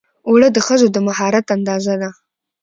اوړه د ښځو د مهارت اندازه ده